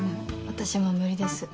私も無理です。